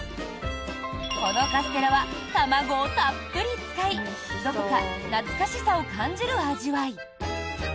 このカステラは卵をたっぷり使いどこか懐かしさを感じる味わい。